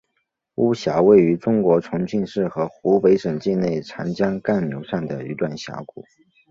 巫峡位于中国重庆市和湖北省境内长江干流上的一段峡谷。